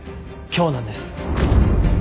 今日なんです。